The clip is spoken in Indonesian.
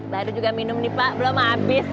baru juga minum nih pak belum habis